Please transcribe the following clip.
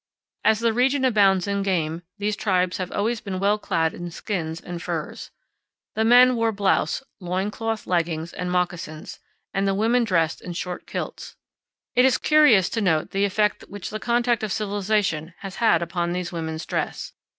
As the region abounds in game, these tribes have always been well clad in skins and furs. The men wore blouse, loincloth leggins, and moccasins, and the women dressed in short kilts. It is curious to notice the effect which the contact of civilization has had upon these women's dress.